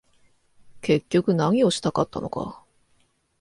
結局何をしたかったのか